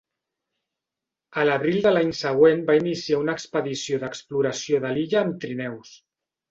A l'abril de l'any següent va iniciar una expedició d'exploració de l'illa amb trineus.